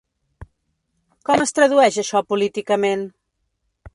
Com es tradueix això políticament?